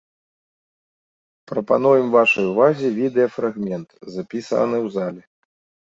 Прапануем вашай увазе відэафрагмент, запісаны ў залі.